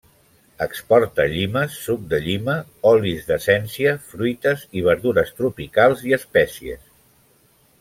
Exporta llimes, suc de llima, olis d'essència, fruites i verdures tropicals i espècies.